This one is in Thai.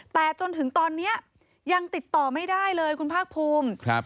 แต่จนถึงตอนนี้ยังติดต่อไม่ได้เลยคุณภาคภูมิ